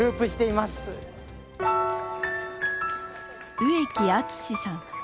植木敦さん。